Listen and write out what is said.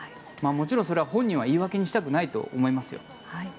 もちろんそれは本人は言い訳にしたくはないと思いますよ。